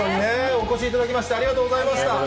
お越しいただきましてありがとうございました。